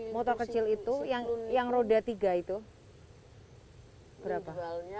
motor kecil itu yang roda tiga itu berapa halnya